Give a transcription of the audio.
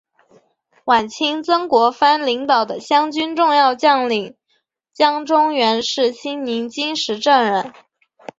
晚清曾国藩领导的湘军重要将领江忠源是新宁金石镇人。